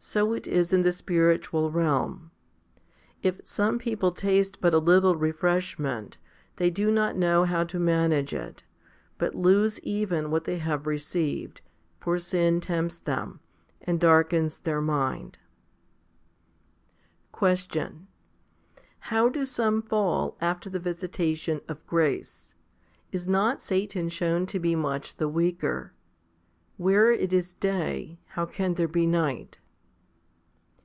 So it is in the spiritual realm. If some people taste but a little refresh ment, they do not know how to manage it, but lose even what they had received, for sin tempts them, and darkens their mind. 9. Question. How do some fall after the visitation of grace? Is not Satan shown to be much the weaker? Where it is day, how can there be night?